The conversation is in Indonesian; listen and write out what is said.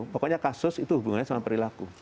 pokoknya kasus itu hubungannya sama perilaku